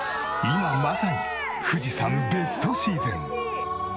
今まさに富士山ベストシーズン。